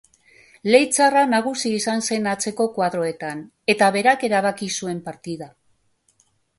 Leitzarra nagusi izan zen atzeko koadroetan eta berak erabaki zuen partida.